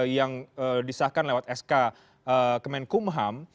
yang disahkan lewat sk kemenkumham